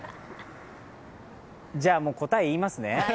じゃ、もう答え言いますね。